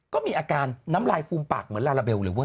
ก็มีอาการน้ำลายฟูมปากเหมือนลาลาเบลเลยเว้